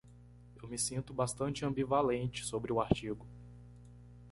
Eu me sinto bastante ambivalente sobre o artigo.